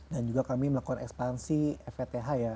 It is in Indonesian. dan juga kami melakukan ekspansi feth ya